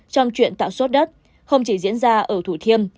trong chuyện tạo xốt đất không chỉ diễn ra ở thủ thiêm